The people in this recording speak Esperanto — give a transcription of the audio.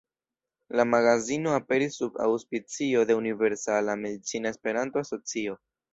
La magazino aperis sub aŭspicio de Universala Medicina Esperanto-Asocio.